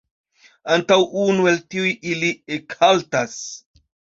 Antaŭ unu el tiuj ili ekhaltas.